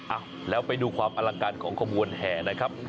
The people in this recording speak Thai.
อ่ะแล้วไปดูความอลังการของขบวนแห่นะครับ